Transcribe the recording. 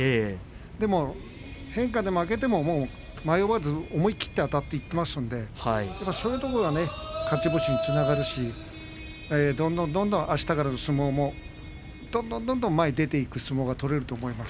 でも変化で負けても迷わず思い切ってあたっていきますのでそういうところが勝ち星につながるしどんどんあしたからの相撲もどんどん前に出ていく相撲が取れると思います。